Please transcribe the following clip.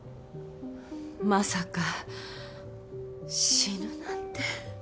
まさか死ぬなんて。